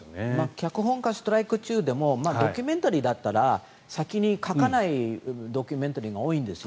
脚本家がストライキ中でもドキュメンタリーだったら先に書かないドキュメンタリーが多いんですよ。